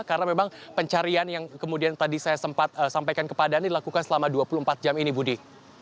karena memang pencarian yang kemudian tadi saya sempat sampaikan kepada dilakukan selama dua puluh empat jam ini budi